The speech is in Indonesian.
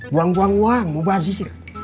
buang buang uang mau bazir